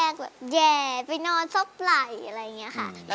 แบบแห่ไปนอนซบไหล่อะไรอย่างนี้ค่ะ